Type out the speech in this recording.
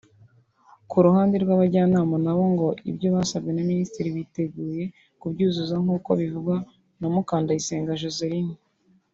Ku ruhande rw’abajyanama nabo ngo ibyo basabwe na Minisitiri biteguye kubyuzuza nk’uko bivugwa na Mukandayisenga Joseline